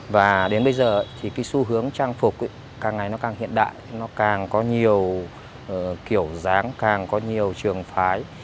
và đến bây giờ thì cái xu hướng trang phục càng ngày nó càng hiện đại nó càng có nhiều kiểu dáng càng có nhiều trường phái